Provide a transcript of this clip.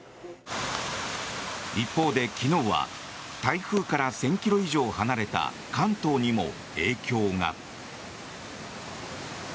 一方で、昨日は台風から１０００ｋｍ以上離れた関東にも影響が。